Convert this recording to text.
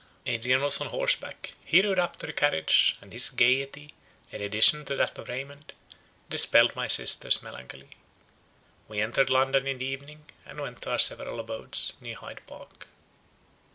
Adrian was on horseback; he rode up to the carriage, and his gaiety, in addition to that of Raymond, dispelled my sister's melancholy. We entered London in the evening, and went to our several abodes near Hyde Park.